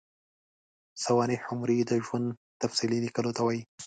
سوانح عمري د ژوند تفصیلي لیکلو ته وايي.